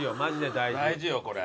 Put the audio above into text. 大事よこれ。